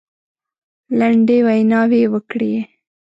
لنډې ویناوي وکړې.